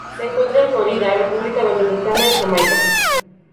Se encuentra en Florida, República Dominicana y Jamaica.